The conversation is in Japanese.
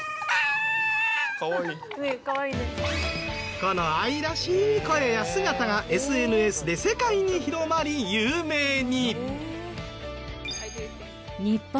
この愛らしい声や姿がＳＮＳで世界に広まり有名に。